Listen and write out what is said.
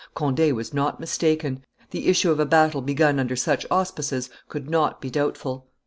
Conde was not mistaken: the issue of a battle begun under such auspices could not be doubtful.